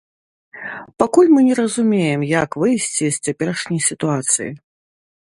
Пакуль мы не разумеем, як выйсці з цяперашняй сітуацыі.